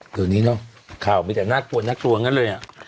อย่างนี้น่ะค่าขอบมีแต่นาต่วนนาต่วงนั้นเลย